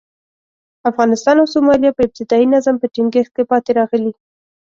افغانستان او سومالیا په ابتدايي نظم په ټینګښت کې پاتې راغلي.